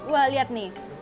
wah lihat nih